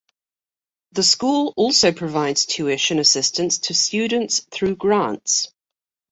The school also provides tuition assistance to students through grants.